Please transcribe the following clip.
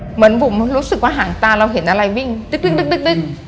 เหมือนบุ๋มรู้สึกว่าหางตาเราเห็นอะไรวิ่งตึ๊ก